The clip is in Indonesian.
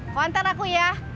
wanter aku ya